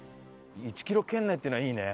１キロ圏内っていうのはいいね。